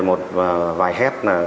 một vài hét